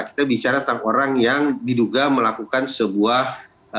kita bicara tentang orang yang diduga melakukan sebuah